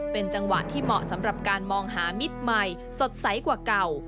เป็นจังหวะที่เหมาะสำหรับการมองหามิตรใหม่สดใสกว่าเก่า